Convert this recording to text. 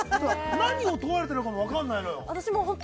何を問われてるのかも分からないのよ。